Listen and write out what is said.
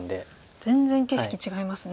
全然景色違いますね。